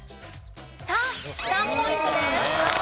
３ポイントです。